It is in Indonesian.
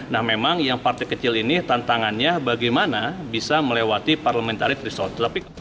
nah memang yang partai kecil ini tantangannya bagaimana bisa melewati parliamentary result